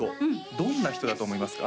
どんな人だと思いますか？